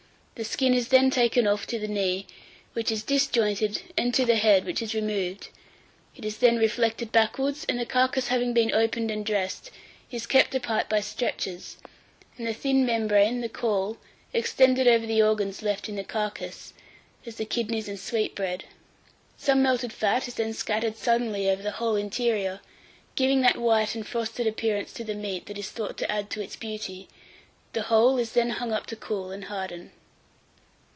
The skin is then taken off to the knee, which is disjointed, and to the head, which is removed; it is then reflected backwards, and the carcase having been opened and dressed, is kept apart by stretchers, and the thin membrane, the caul, extended over the organs left in the carcase, as the kidneys and sweet bread; some melted fat is then scattered suddenly over the whole interior, giving that white and frosted appearance to the meat, that is thought to add to its beauty; the whole is then hung up to cool and harden.